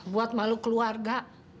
buat malu keluarga